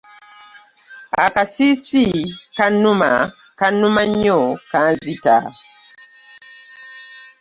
Akasiusi kannuma kanuma nnyo kanzita .